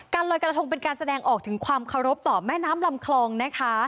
ลอยกระทงเป็นการแสดงออกถึงความเคารพต่อแม่น้ำลำคลองนะคะ